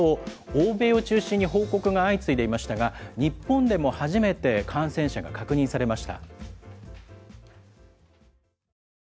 欧米を中心に報告が相次いでいましたが、日本でも初めて感染者が確認されました。